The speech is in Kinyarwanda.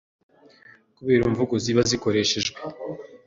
kubera imvugo ziba zakoreshejwe